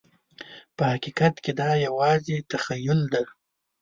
په حقیقت کې دا یوازې تخیل دی.